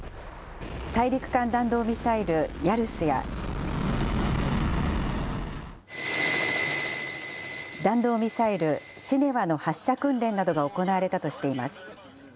大陸間弾道ミサイル・ヤルスや、弾道ミサイル・シネワの発射訓練などが行われたとしています。